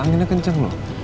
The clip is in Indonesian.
anginnya kenceng loh